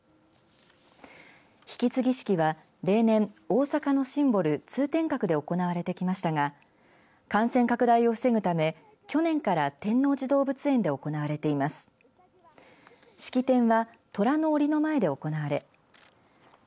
引き継ぎ式は例年大阪のシンボル通天閣で行われてきましたが感染拡大を防ぐため去年から天王寺動物園で行われています。